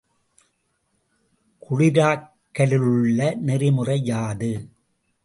குளிராக்கலிலுள்ள நெறிமுறை யாது?